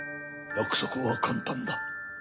約束は簡単だ。